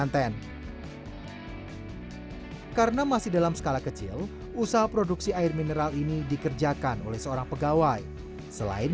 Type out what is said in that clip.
tanah itu seperti anyep lah orang jawa bilang